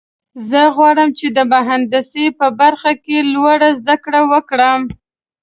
زه غواړم چې د مهندسۍ په برخه کې لوړې زده کړې وکړم